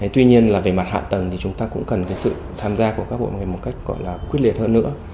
tuy nhiên là về mặt hạ tầng thì chúng ta cũng cần sự tham gia của các bộ ngành một cách gọi là quyết liệt hơn nữa